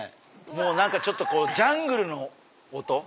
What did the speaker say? もう何かちょっとこうジャングルの音。